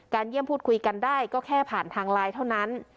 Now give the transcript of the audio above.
เยี่ยมพูดคุยกันได้ก็แค่ผ่านทางไลน์เท่านั้น